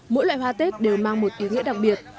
mỗi loại hoa tết đều mang một ý nghĩa đặc biệt